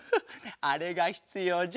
あれがひつようじゃ。